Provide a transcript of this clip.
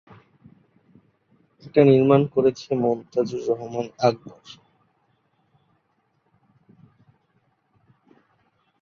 এটি নির্মাণ করেছেন মনতাজুর রহমান আকবর।